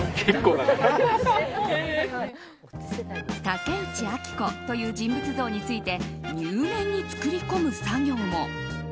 タケウチアキコという人物像について入念に作り込む作業も。